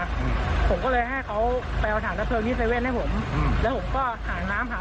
ผมก็เลยให้เขาไปเอาถ่านกระเทศที่เซเว่นให้ผมแล้วผมก็หาน้ำหาได้ทาง